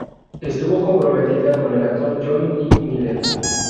Estuvo comprometida con el actor Jonny Lee Miller.